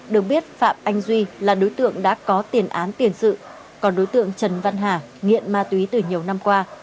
được biết phạm anh duy là đối tượng đã có tiền án tiền sự còn đối tượng trần văn hà nghiện ma túy từ nhiều năm qua